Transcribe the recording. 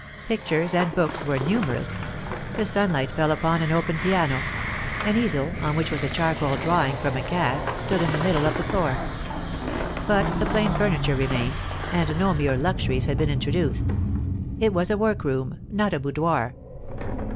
Pictures and books were numerous; the sunlight fell upon an open piano; an easel, on which was a charcoal drawing from a cast, stood in the middle of the floor. But the plain furniture remained, and no mere luxuries had been introduced. It was a work room, not a boudoir.